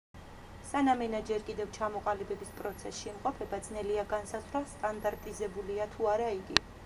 სანამ ენა ჯერ კიდევ ჩამოყალიბების პროცესში იმყოფება ძნელია განსაზღვრა სტანდარტიზებულია თუ არა იგი.